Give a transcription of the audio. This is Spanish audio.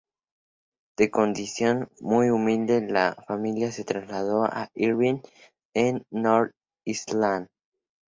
De condición muy humilde, la familia se trasladó a Irvine, en North Ayrshire.